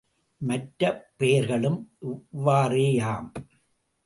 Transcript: மற்ற பெயர்களும் இவ்வாறேயாம்.